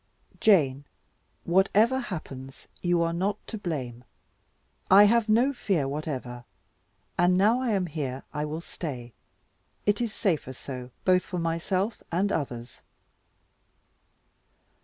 "Jane, whatever happens, you are not to blame. I have no fear whatever; and now I am here, I will stay. It is safer so, both for myself and others."